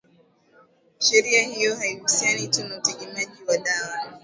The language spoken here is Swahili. sheria hiyo haihusiani tu na utegemeaji wa dawa